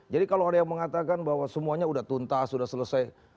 jadi kalau ada yang mengatakan bahwa semuanya sudah tuntas sudah selesai